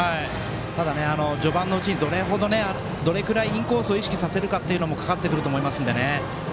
ただ序盤のうちにどれくらいインコースを意識させるかもかかってくると思いますのでね。